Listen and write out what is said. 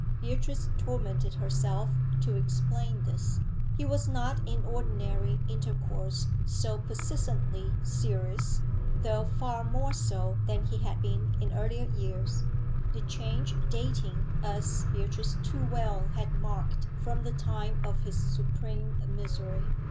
Beatrice tormented herself to explain this. He was not in ordinary intercourse so persistently serious, though far more so than he had been in earlier years, the change dating, as Beatrice too well had marked, from the time of his supreme misery.